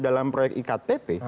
dalam proyek iktp